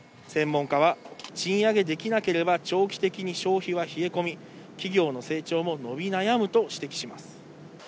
専門家は賃上げできなければ長期的に消費は冷え込み、企業の成長も伸び悩むと指摘します。